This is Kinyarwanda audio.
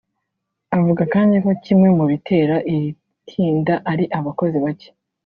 Avuga kandi ko kimwe mu bitera iri tinda ari abakozi bacye